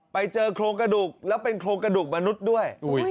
ไปเจอโครงกระดูกแล้วเป็นโครงกระดูกมนุษย์ด้วย